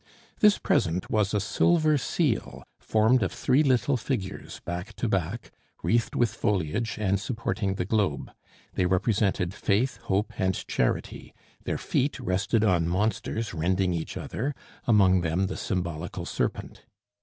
This present was a silver seal formed of three little figures back to back, wreathed with foliage, and supporting the Globe. They represented Faith, Hope, and Charity; their feet rested on monsters rending each other, among them the symbolical serpent.